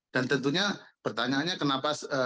dan tentunya pertanyaannya kenapa di bawah target kan